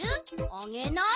あげない？